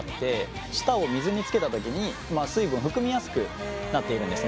舌を水につけた時に水分を含みやすくなっているんですね。